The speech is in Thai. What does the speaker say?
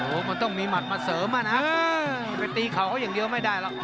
โอ้โหมันต้องมีหมัดมาเสริมอ่ะนะไปตีเข่าเขาอย่างเดียวไม่ได้หรอก